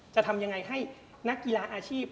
จะทำยังไงให้นักกีฬาอาชีพ